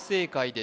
で